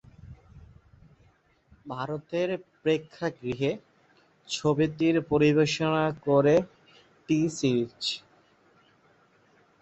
ভারতের প্রেক্ষাগৃহে ছবিটি পরিবেশনা করে টি-সিরিজ।